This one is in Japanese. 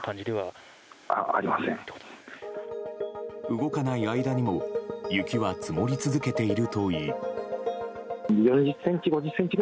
動かない間にも雪は積もり続けているといい。